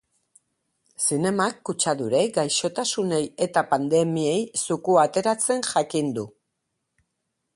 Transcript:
Zinemak kutsadurei, gaixotasunei eta pandemiei zukua ateratzen jakin du.